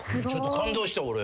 ・感動した。